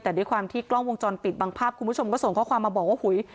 แต่ด้วยความที่กล้องวงจรปิดบางภาพคุณผู้ชมก็ส่งข้อความมาบอกว่าหุย